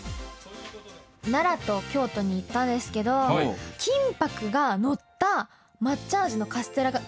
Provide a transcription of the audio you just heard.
奈良と京都に行ったんですけど、金ぱくが載った抹茶味のカステラが売ってたんですよ。